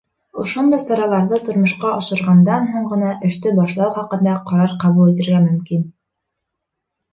Ошондай сараларҙы тормошҡа ашырғандан һуң ғына эште башлау хаҡында ҡарар ҡабул итергә мөмкин.